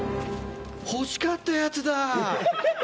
欲しかったやつだ。